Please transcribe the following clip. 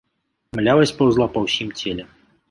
Млявасць паўзла па ўсім целе.